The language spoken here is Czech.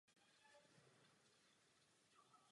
Zde vstoupil do Cizinecké legie a odplul do Francie.